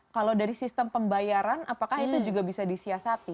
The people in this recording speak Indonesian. kalau dari sistem pembayaran apakah itu juga bisa disiasati